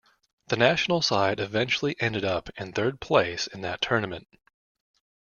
The national side eventually ended up in third place in that tournament.